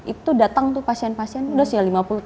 itu datang tuh